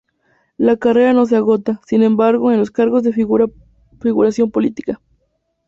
La carrera no se agota, sin embargo, en los cargos de figuración política.